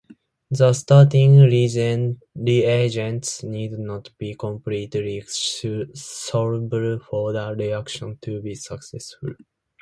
The starting reagents need not be completely soluble for the reaction to be successful.